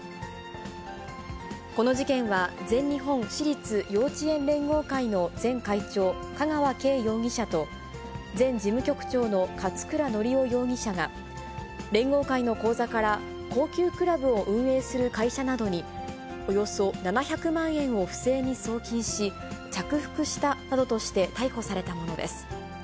この事件は全日本私立幼稚園連合会の前会長、香川敬容疑者と、前事務局長の勝倉のりお容疑者が、連合会の口座から高級クラブを運営する会社などに、およそ７００万円を不正に送金し、着服したなどとして逮捕されたものです。